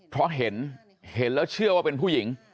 เพราะเห็นเห็นแล้วเชื่อว่าเป็นผู้หญิง